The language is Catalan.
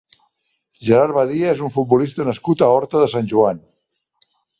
Gerard Badía és un futbolista nascut a Horta de Sant Joan.